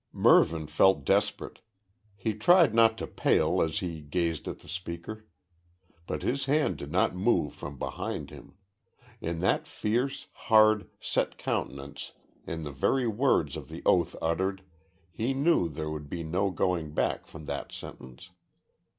Mervyn felt desperate. He tried not to pale as he gazed at the speaker. But his hand did not move from behind him. In that fierce, hard, set countenance, in the very words of the oath uttered, he knew there would be no going back from that sentence.